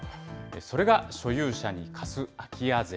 それが所有者に課す空き家税。